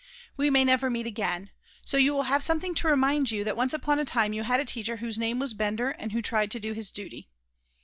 "We may never meet again. So you will have something to remind you that once upon a time you had a teacher whose name was Bender and who tried to do his duty."